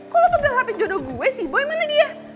kok lo pegang hape jodoh gue sih boy mana dia